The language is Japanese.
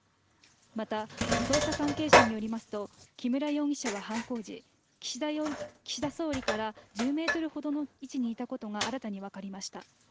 また、捜査関係者によりますと木村容疑者は犯行時岸田総理から１０ｍほどの位置にいたことが新たに分かりました。